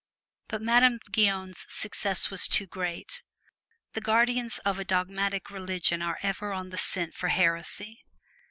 But Madame Guyon's success was too great. The guardians of a dogmatic religion are ever on the scent for heresy.